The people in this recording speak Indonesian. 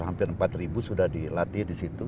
hampir empat ribu sudah dilatih di situ